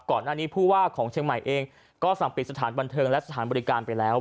ก่อนหน้านี้ผู้ว่าของเชียงใหม่เองก็สั่งปิดสถานบันเทิงและสถานบริการไปแล้ว